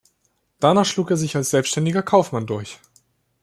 Danach schlug er sich als selbständiger Kaufmann durch.